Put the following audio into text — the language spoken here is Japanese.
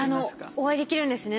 お会いできるんですね